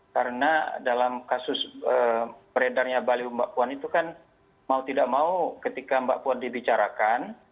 karena dalam kasus beredarnya bali mbak puan itu kan mau tidak mau ketika mbak puan dibicarakan